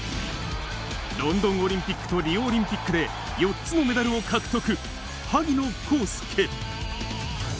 ロンドンオリンピックとリオオリンピックで４つのメダルを獲得、萩野公介。